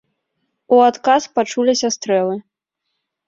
У адказ пачуліся стрэлы.